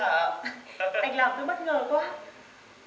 anh làm tôi bất ngờ quá